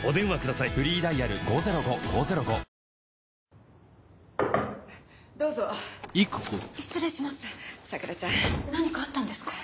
さくらちゃん。何かあったんですか？